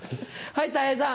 はいたい平さん。